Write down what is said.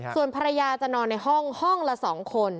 ส่วนภรรยาจะนอนในห้องห้องละ๒คน